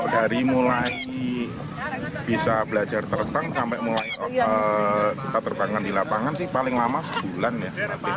dari mulai bisa belajar terbang sampai kita terbangkan di lapangan sih paling lama sebulan ya